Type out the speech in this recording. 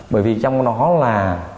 bởi vì trong nó là